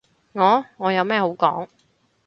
我？我有咩好講？